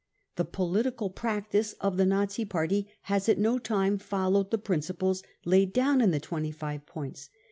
The political practice of the Nazi Party has at no time * followed the principles laid down in the 25 points.